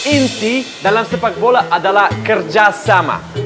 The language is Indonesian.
inti dalam sepak bola adalah kerjasama